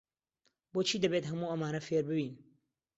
بۆچی دەبێت هەموو ئەمانە فێر ببین؟